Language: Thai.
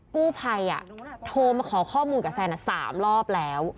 กู้ภัยโทรมาขอข้อมูลกับแซน๓รอบแล้ว